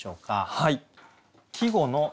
はい。